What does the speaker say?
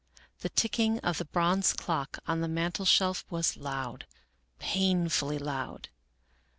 The ticking of the bronze clock on the mantel shelf was loud, painfully loud.